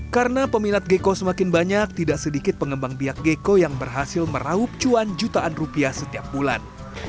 karena peminat gecko semakin banyak tidak sedikit pengembang biak gecko yang berhasil meraup cuan jutaan rupiah setiap bulan